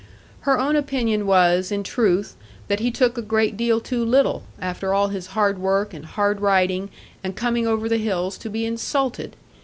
Her own opinion was, in truth, that he took a great deal too little, after all his hard work, and hard riding, and coming over the hills to be insulted!